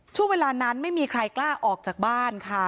ช่วงเวลานั้นไม่มีใครกล้าออกจากบ้านค่ะ